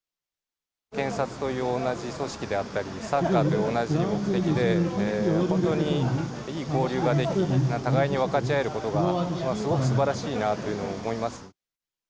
検察という同じ組織であったり、サッカーという同じ目的で本当にいい交流ができ、互いに分かち合えることがすごくすばらしいなというのを思います。